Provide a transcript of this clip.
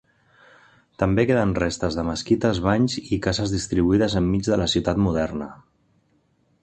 També queden restes de mesquites, banys, i cases distribuïdes enmig de la ciutat moderna.